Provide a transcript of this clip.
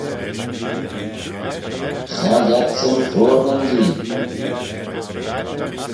Chaill adsyn foayr nyn Yee.